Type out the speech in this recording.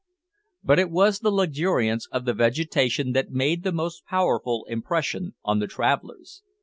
But it was the luxuriance of the vegetation that made the most powerful impression on the travellers.